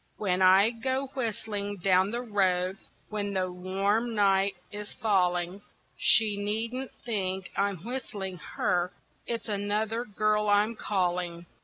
When I go whistling down the road, when the warm night is falling, She needn't think I'm whistling her, it's another girl I'm calling.